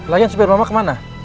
lagi yang supir mama kemana